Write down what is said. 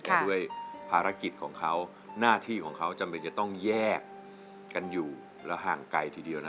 แต่ด้วยภารกิจของเขาหน้าที่ของเขาจำเป็นจะต้องแยกกันอยู่แล้วห่างไกลทีเดียวนะ